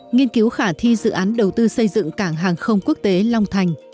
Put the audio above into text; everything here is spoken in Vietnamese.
nghiên cứu khả thi dự án đầu tư xây dựng cảng hàng không quốc tế long thành